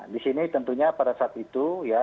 di sini tentunya pada saat itu ya